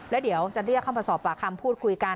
และเดี๋ยวจะเรียกคำประสอบบากคำพูดคุยกัน